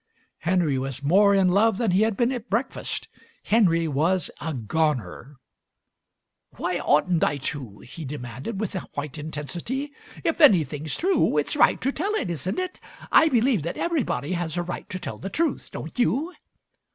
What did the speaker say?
Henry was more in love than he had been at breakfast. Henry was a Goner. "Why oughtn't I to?" he demanded with white intensity. "If anything's true it's right to tell it, isn't it? I believe that everybody has a right to tell the truth, don't you?"